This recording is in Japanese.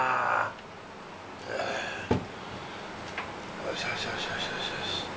よしよしよしよしよし。